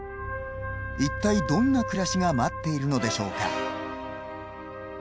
一体、どんな暮らしが待っているのでしょうか。